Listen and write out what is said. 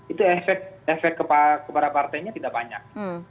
itu efek kepada partainya tidak banyak